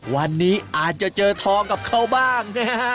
วันนี้อาจจะเจอทองกับเขาบ้างนะฮะ